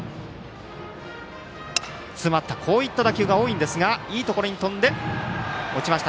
詰まったこういった打球が多いんですがいいところに飛んで、落ちました。